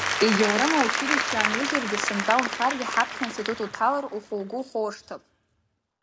Егьаурым, аучилишьче аанужьыргьы, сынтәа унхаргьы ҳаԥхьа аинститут уҭалар, ухы-угәы ухоуршҭып.